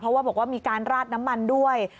เพราะว่าบอกว่ามีการราดน้ำมันด้วย